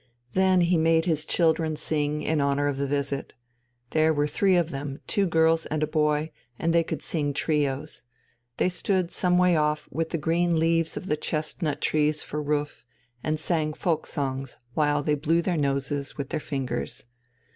Then he made his children sing in honour of the visit. There were three of them, two girls and a boy, and they could sing trios. They stood some way off with the green leaves of the chestnut trees for roof, and sang folk songs while they blew their noses with their fingers.